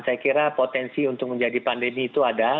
saya kira potensi untuk menjadi pandemi itu ada